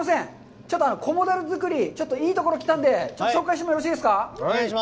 ちょっと菰樽作り、いいところにきたのでちょっと紹介してもよろしいですか？